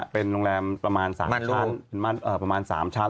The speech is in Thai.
เป็นโรงแรมประมาณ๓ชั้น